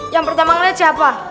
yang pertama ngeliat siapa